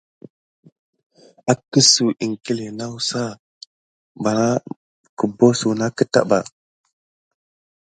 Akəɗsuw iŋkle afata suna abosuna kita ɓà.